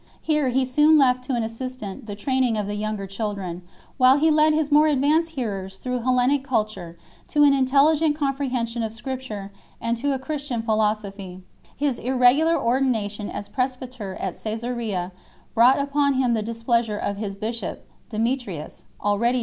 Here he soon left to an assistant the {raining of the younger children, while he led his more advanced hearers through Hellenic culture to an intelligent comprehension of Scripture and to a Christian philosophy, i His irregular ordination as presbyter at Csesarea brought upon him the displeasure of his bishop, Demetrius, already!